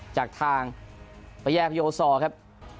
จากทางประแยกโอซอร์ครับ